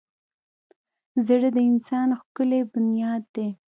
زړه د انسان ښکلی بنیاد دی.